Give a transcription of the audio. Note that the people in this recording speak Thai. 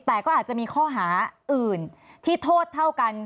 แต่ก็อาจจะมีข้อหาอื่นที่โทษเท่ากัน